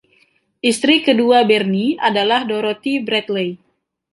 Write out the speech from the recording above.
Istri kedua Bernie adalah Dorothy Bradley.